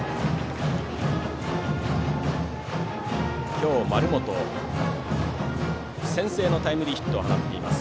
今日、丸本は先制のタイムリーヒットを放っています。